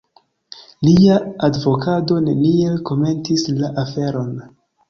Lia advokato neniel komentis la aferon.